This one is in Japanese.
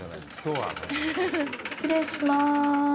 失礼します。